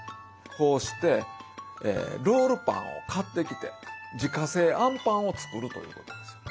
こうしてロールパンを買ってきて自家製あんぱんを作るということですよ。